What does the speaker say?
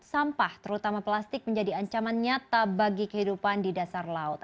sampah terutama plastik menjadi ancaman nyata bagi kehidupan di dasar laut